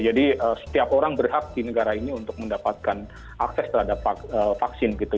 jadi setiap orang berhak di negara ini untuk mendapatkan akses terhadap vaksin gitu